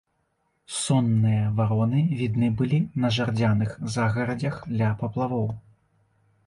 Сонныя вароны відны былі на жардзяных загарадзях ля паплавоў.